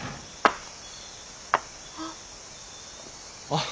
あっ。